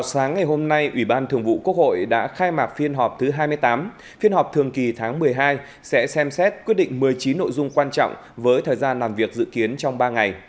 vào sáng ngày hôm nay ủy ban thường vụ quốc hội đã khai mạc phiên họp thứ hai mươi tám phiên họp thường kỳ tháng một mươi hai sẽ xem xét quyết định một mươi chín nội dung quan trọng với thời gian làm việc dự kiến trong ba ngày